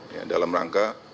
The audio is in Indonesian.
ya dalam rangka